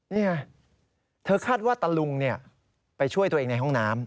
นี่ไงเธอคาดว่าตะลุงไปช่วยตัวเองในห้องน้ำ